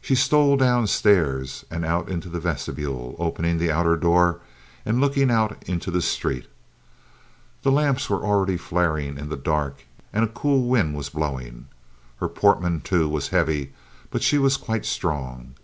She stole downstairs and out into the vestibule, opening the outer door and looking out into the street. The lamps were already flaring in the dark, and a cool wind was blowing. Her portmanteau was heavy, but she was quite strong.